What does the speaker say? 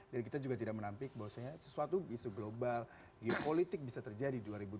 kita juga tidak menampik bahwasanya sesuatu isu global geopolitik bisa terjadi dua ribu dua puluh